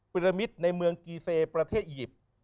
รมิตในเมืองกีเซประเทศอียิปต์